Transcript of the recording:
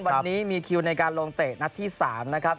วันนี้มีคิวในการลงเตะนัดที่๓นะครับ